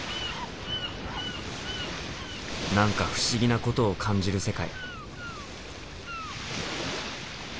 何か不思議なことを感じる世界。